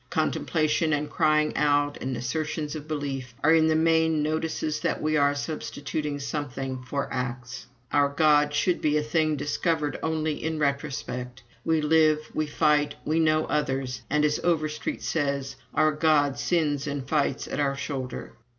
Contemplation and crying out and assertions of belief are in the main notices that we are substituting something for acts. Our God should be a thing discovered only in retrospect. We live, we fight, we know others, and, as Overstreet says, our God sins and fights at our shoulder.